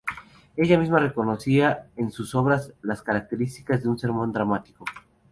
Ella misma reconocía en sus obras la característica de un "sermón dramático".